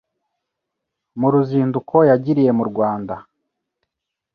Mu ruzinduko yagiriye mu Rwanda